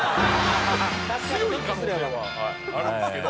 強い可能性はあるんですけど。